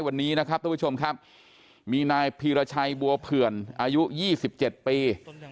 วันนี้นะครับทุกผู้ชมครับมีนายพีรชัยบัวเผื่อนอายุ๒๗ปี